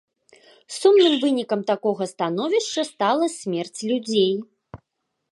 Сумным вынікам такога становішча стала смерць людзей.